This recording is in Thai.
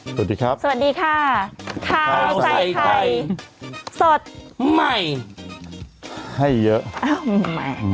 สวัสดีครับสวัสดีค่ะข้าวใส่ไข่สดใหม่ให้เยอะอ้าวใหม่